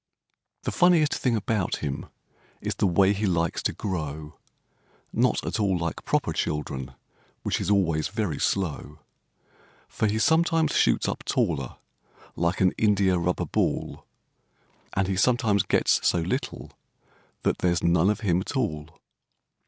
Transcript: The funniest thing about him is the way he likes to grow— Not at all like proper children, which is always very slow; For he sometimes shoots up taller like an india rubber ball, And he sometimes gets so little that there's none of him at all.